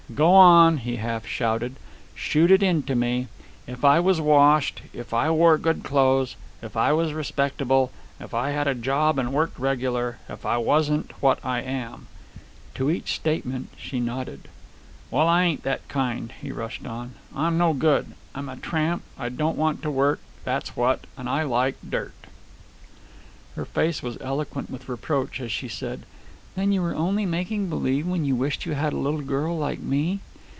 "Go on," he half shouted. "Shoot it into me. If I was washed if I wore good clothes if I was respectable if I had a job and worked regular if I wasn't what I am." To each statement she nodded. "Well, I ain't that kind," he rushed on. "I'm no good. I'm a tramp. I don't want to work, that's what. And I like dirt." Her face was eloquent with reproach as she said, "Then you were only making believe when you wished you had a little girl like me?"